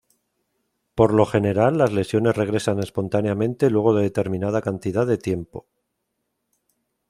Por lo general las lesiones regresan espontáneamente luego de determinada cantidad de tiempo.